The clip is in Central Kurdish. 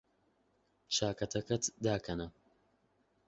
چاکەتەکەت داکەنە.